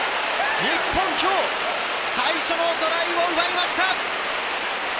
日本、今日最初のトライを奪いました！